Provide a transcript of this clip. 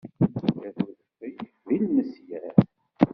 Ikkat wedfel d ilmesyar!